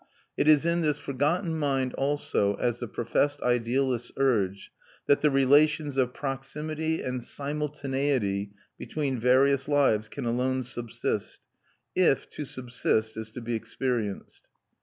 It is in this forgotten mind, also, as the professed idealists urge, that the relations of proximity and simultaneity between various lives can alone subsist, if to subsist is to be experienced.